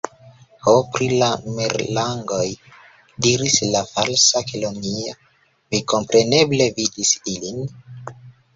"Ho, pri la merlangoj," diris la Falsa Kelonio, "vi kompreneble vidis ilin?"